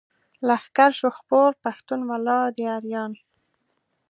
لښکر شو خپور پښتون ولاړ دی اریان.